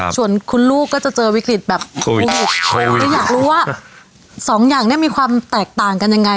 ส่วนคุณลูกก็จะเจอวิกฤตแบบโควิดคืออยากรู้ว่าสองอย่างนี้มีความแตกต่างกันยังไง